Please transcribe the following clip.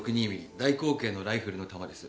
大口径のライフルの弾です。